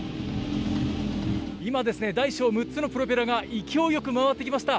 今ですね、大小６つのプロペラが勢いよく回ってきました。